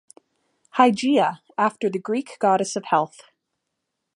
Hygeia after the Greek goddess of health.